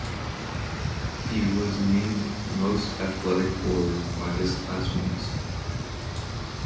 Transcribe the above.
He was named "most athletic boy" by his classmates.